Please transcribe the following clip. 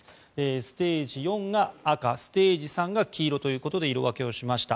ステージ４が赤ステージ３が黄色ということで色分けをしました。